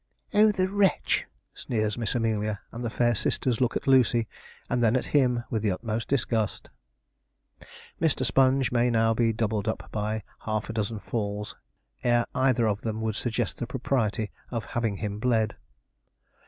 'Oh, the wretch!' sneers Miss Amelia; and the fair sisters look at Lucy and then at him with the utmost disgust. Mr. Sponge may now be doubled up by half a dozen falls ere either of them would suggest the propriety of having him bled.